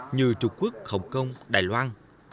như trung quốc hồng kông đài loan